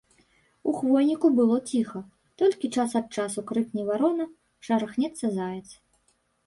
У хвойніку было ціха, толькі час ад часу крыкне варона, шарахнецца заяц.